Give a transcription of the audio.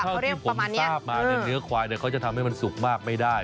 เท่าที่ผมทราบมาเนี่ยเนื้อควายเขาจะทำให้มันสุกมากไม่ได้